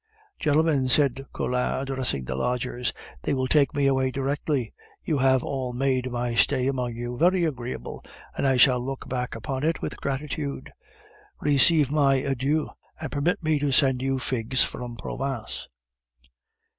"Gentlemen," said Collin, addressing the lodgers, "they will take me away directly. You have all made my stay among you very agreeable, and I shall look back upon it with gratitude. Receive my adieux, and permit me to send you figs from Provence."